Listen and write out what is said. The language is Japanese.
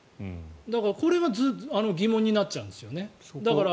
だから、これが疑問になっちゃうんですよね。